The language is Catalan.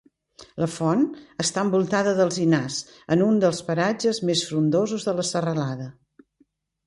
La font està envoltada d'alzinars, en un dels paratges més frondosos de la serralada.